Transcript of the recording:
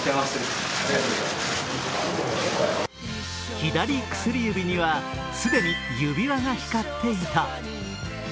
左薬指には、既に指輪が光っていた。